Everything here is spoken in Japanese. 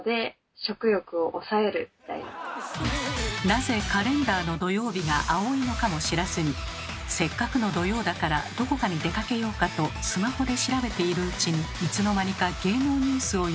なぜカレンダーの土曜日が青いのかも知らずにせっかくの土曜だからどこかに出かけようかとスマホで調べているうちにいつの間にか芸能ニュースを読みふけり。